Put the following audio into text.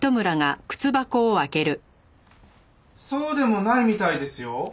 そうでもないみたいですよ。